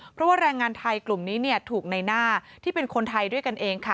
เพราะว่าแรงงานไทยกลุ่มนี้ถูกในหน้าที่เป็นคนไทยด้วยกันเองค่ะ